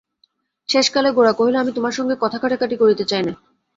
শেষকালে গোরা কহিল, আমি তোমার সঙ্গে কথা-কাটাকাটি করতে চাই নে।